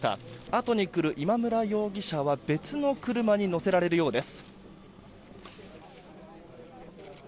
後に来る今村容疑者は別の車に乗せられるようです。